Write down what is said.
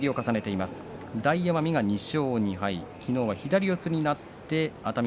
大奄美、２勝２敗。